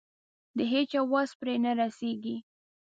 د هيچا وس پرې نه رسېږي.